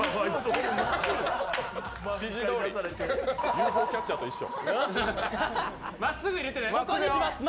ＵＦＯキャッチャーと一緒。